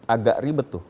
agak ribet tuh